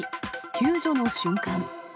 救助の瞬間。